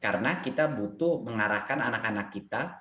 karena kita butuh mengarahkan anak anak kita